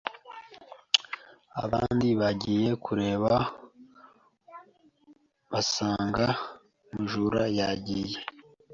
Abandi bagiye kureba, basanga umujura yagiye.